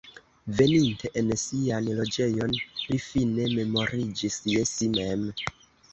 Veninte en sian loĝejon, li fine memoriĝis je si mem.